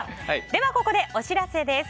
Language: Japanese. ここでお知らせです。